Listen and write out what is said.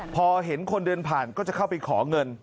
พอเห็นคนเดินผ่านก็จะเข้าไปขอเงิน